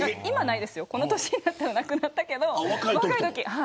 この年になったらなくなったけど若いとき。